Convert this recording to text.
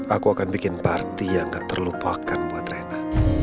aku akan bikin party yang tak terlupakan buat rena